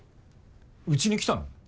うちに来たの？